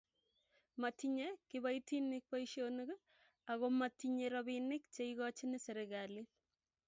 matinyei kiboitinik boisionik aku matinyei robinik che ikochini serikalit.